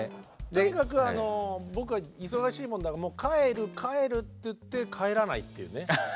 とにかく僕は忙しいもんだからもう帰る帰るって言って帰らないっていうね。